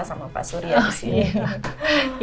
sama pak surya disini